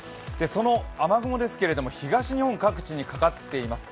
その雨雲ですけれども東日本各地にかかっています。